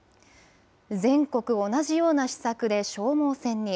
全国同じような施策で、消耗戦に。